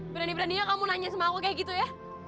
berani beraninya kamu nanya sama aku kayak gitu ya